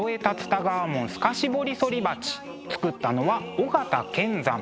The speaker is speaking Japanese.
作ったのは尾形乾山。